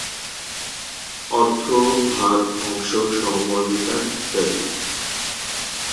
অর্থ ভাগ, অংশ, সহমর্মিতা ইত্যাদি।